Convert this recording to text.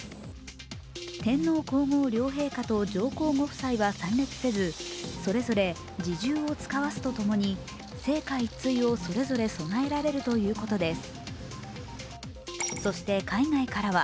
天皇皇后両陛下と上皇ご夫妻は参列せず、それぞれ侍従を遣わすとともに生花一対をそれぞれ供えられるということです。